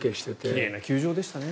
奇麗な球場でしたね。